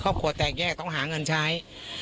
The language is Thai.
ครอบครัวแตกแยกต้องหาเงินใช้